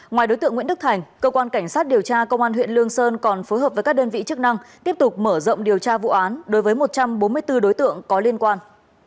ngoài đối tượng nguyễn đức thành cơ quan cảnh sát điều tra công an huyện lương sơn còn phối hợp với các đơn vị chức năng tiếp tục mở rộng điều tra vụ án đối với một trăm bốn mươi bốn đối tượng có liên quan